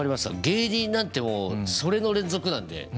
芸人なんてもうそれの連続なんで。